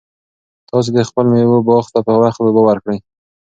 تاسو د خپلو مېوو باغ ته په وخت اوبه ورکړئ.